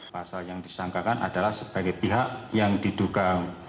pasal yang disangkakan adalah sebagai pihak yang diduga